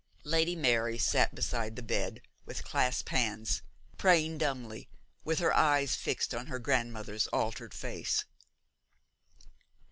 Lady Mary sat beside the bed with clasped hands, praying dumbly, with her eyes fixed on her grandmother's altered face.